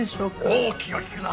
おう気が利くな！